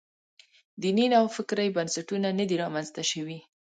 دیني نوفکرۍ بنسټونه نه دي رامنځته شوي.